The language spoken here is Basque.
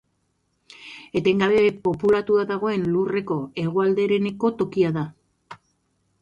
Etengabe populatua dagoen Lurreko hegoaldereneko tokia da.